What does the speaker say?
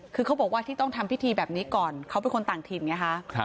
คือเขาบอกว่าที่ต้องทำพิธีแบบนี้ก่อนเขาเป็นคนต่างถิ่นไงคะ